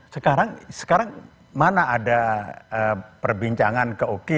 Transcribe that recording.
sekarang mana ada perbincangan kemudian